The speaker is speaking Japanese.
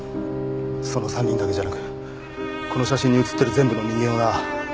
その３人だけじゃなくこの写真に写ってる全部の人間をな。